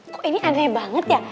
kok ini andre banget ya